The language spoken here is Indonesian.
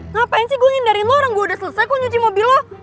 ngapain sih gue ngindarin lo orang gue udah selesai kok nyuciin mobil lo